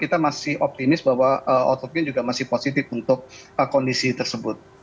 kita masih optimis bahwa out of gain juga masih positif untuk kondisi tersebut